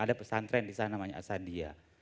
ada pesantren di sana namanya asadia